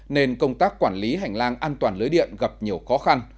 nên công tác quản lý hành lang an toàn lưới điện gặp nhiều khó khăn